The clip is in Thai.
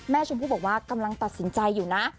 ชมพู่บอกว่ากำลังตัดสินใจอยู่นะ